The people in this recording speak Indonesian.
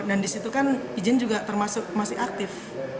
dan di situ kan ijen juga masih aktif